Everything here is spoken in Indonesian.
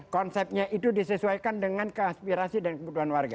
konsepnya itu disesuaikan dengan keaspirasi dan kebutuhan warga